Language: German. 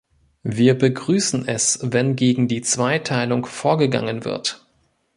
Wir begrüßen es, wenn gegen die Zweiteilung vorgegangen wird.